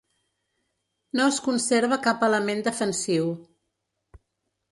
No es conserva cap element defensiu.